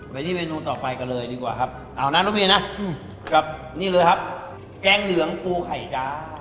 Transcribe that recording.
ไปที่เมนูต่อไปกันเลยดีกว่าครับเอานะน้องเพียนะกับนี่เลยครับแกงเหลืองปูไข่จ้า